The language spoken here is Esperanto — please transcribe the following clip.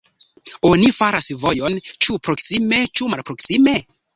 Oni faras vojon, ĉu proksime ĉu malproksime.